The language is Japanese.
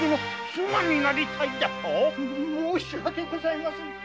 申し訳ございませぬ。